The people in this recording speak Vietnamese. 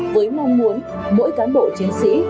với mong muốn mỗi cán bộ chiến sĩ